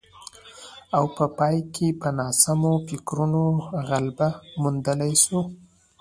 او په پای کې په ناسمو فکرونو غلبه موندلای شو